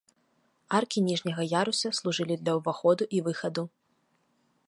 Аркі ніжняга яруса служылі для ўваходу і выхаду.